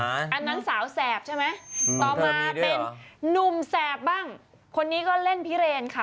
อันนั้นสาวแสบใช่ไหมต่อมาเป็นนุ่มแสบบ้างคนนี้ก็เล่นพิเรนค่ะ